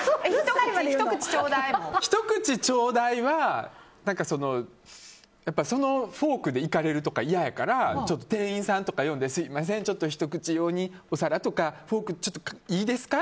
ひと口ちょうだいはそのフォークでいかれるとかいややから店員さんとか呼んでひと口用にお皿とかフォークちょっといいですか？